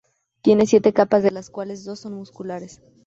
Tiene siete capas, de las cuales dos son musculares.